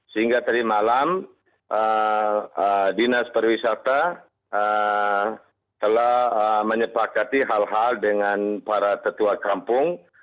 sehingga tadi malam dinas pariwisata telah menyepakati hal hal dengan para tetua kampung